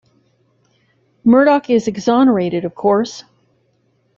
Murdoch is exonerated, of course.